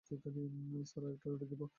Sir, আরেকটা রুটি দিব?